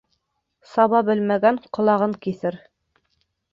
Саба белмәгән ҡолағын киҫер.